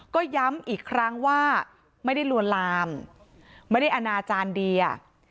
ก็ย้ำอีกครั้งว่าไม่ได้ลวนลามไม่ได้อนาจารย์เดีย